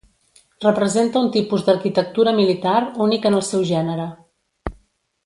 Representa un tipus d'arquitectura militar únic en el seu gènere.